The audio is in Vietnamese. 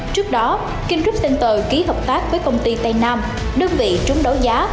trước đó king group center ký hợp tác với công ty tây nam đơn vị trúng đấu giá